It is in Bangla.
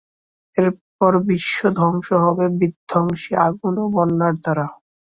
এরপর বিশ্ব ধ্বংস হবে বিধ্বংসী আগুন ও বন্যার দ্বারা।